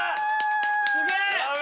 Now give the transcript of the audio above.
すげえ！